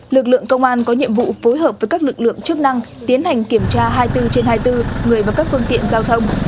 lực lượng công an có nhiệm vụ phối hợp với các lực lượng chức năng tiến hành kiểm tra hai mươi bốn trên hai mươi bốn người và các phương tiện giao thông